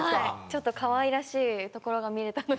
ちょっとかわいらしいところが見れたので。